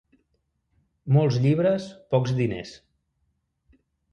Molts llibres, pocs diners.